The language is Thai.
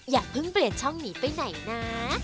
อย่าเพิ่งเปลี่ยนช่องหนีไปไหนนะ